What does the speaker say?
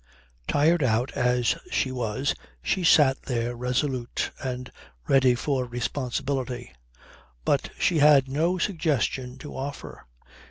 Tired out as she was she sat there resolute and ready for responsibility. But she had no suggestion to offer.